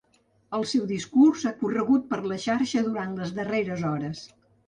El seu discurs ha corregut per la xarxa durant les darreres hores.